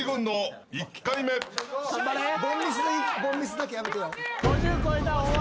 凡ミスだけやめてよ。